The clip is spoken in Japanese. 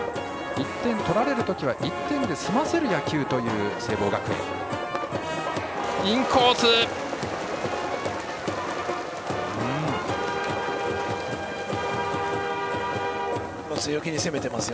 １点取られるときは１点で済ませる野球という聖望学園です。